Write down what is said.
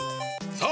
さあ！